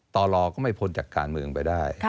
ต่อรอก็ไม่พ้นจากการเมืองไปได้